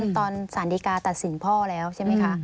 ตอนสารดีกาตัดสินพ่อแล้วใช่ไหมคะ